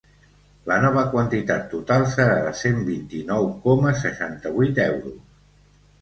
La nova quantitat total serà de cent vint-i-nou coma seixanta-vuit euros.